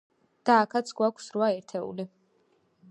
და აქაც გვაქვს რვა ერთეული.